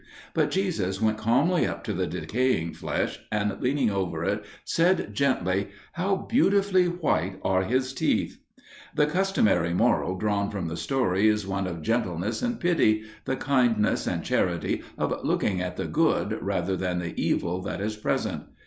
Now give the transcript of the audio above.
But Jesus went calmly up to the decaying flesh and leaning over it, said gently, "How beautifully white are his teeth!" The customary moral drawn from the story is one of gentleness and pity, the kindness and charity of looking at the good, rather than the evil that is present.